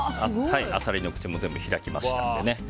アサリの口も全部開きましたね。